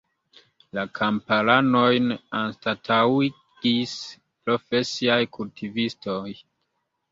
La kamparanojn anstataŭigis profesiaj kultivistoj.